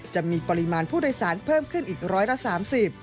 จะมีปริมาณผู้โดยสารเพิ่มขึ้นอีกร้อยละสามสิบ